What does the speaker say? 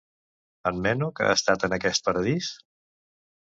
En Menoc ha estat en aquest Paradís?